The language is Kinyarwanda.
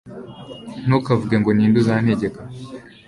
ntukavuge ngo ni nde uzantegeka